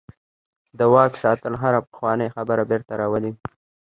د واک ساتل هره پخوانۍ خبره بیرته راولي.